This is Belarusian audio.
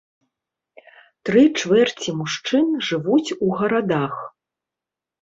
Тры чвэрці мужчын жывуць у гарадах.